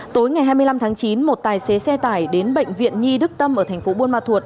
tối ngày hai mươi năm tháng chín một tài xế xe tải đến bệnh viện nhi đức tâm ở thành phố buôn ma thuột